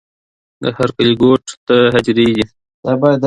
د هر کلي ګوټ ته هدېرې دي.